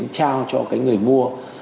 trao cho cái người mua